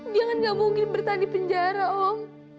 dia kan gak mungkin bertahan di penjara om